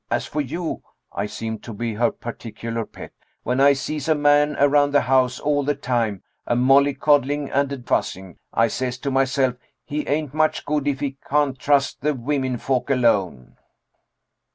As for you" I seemed to be her particular pet "when I sees a man around the house all the time, a molly coddling and a fussing, I says to myself, he ain't much good if he can't trust the women folk alone."